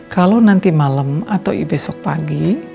kalau nanti malam atau besok pagi